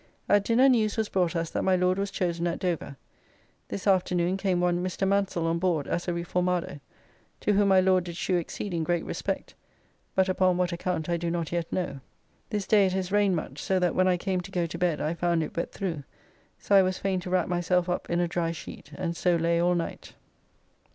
At dinner news was brought us that my Lord was chosen at Dover. This afternoon came one Mr. Mansell on board as a Reformado, to whom my Lord did shew exceeding great respect, but upon what account I do not yet know. This day it has rained much, so that when I came to go to bed I found it wet through, so I was fain to wrap myself up in a dry sheet, and so lay all night.